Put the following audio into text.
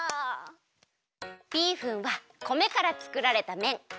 ビーフンは米からつくられためん。